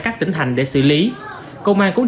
các tỉnh thành để xử lý công an cũng